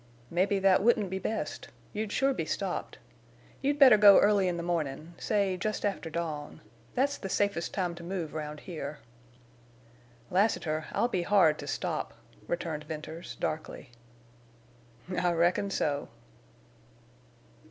"Mebbe that wouldn't be best. You'd sure be stopped. You'd better go early in the mornin'—say, just after dawn. That's the safest time to move round here." "Lassiter, I'll be hard to stop," returned Venters, darkly. "I reckon so."